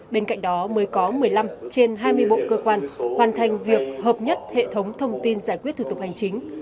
bên cạnh đó mới có một mươi năm trên hai mươi bộ cơ quan hoàn thành việc hợp nhất hệ thống thông tin giải quyết thủ tục hành chính